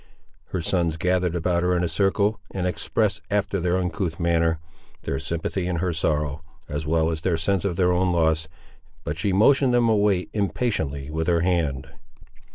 Her sons gathered about her in a circle, and expressed, after their uncouth manner, their sympathy in her sorrow, as well as their sense of their own loss, but she motioned them away, impatiently with her hand.